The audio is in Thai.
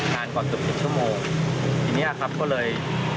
นานกว่า๑๐ชั่วโมงทีนี้ครับก็เลย